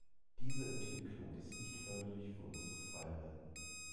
Diese Entwicklung ist nicht förderlich für unsere Freiheiten.